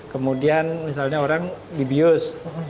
kemudian misalnya orang dibius